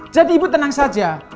jadi ibu tenang saja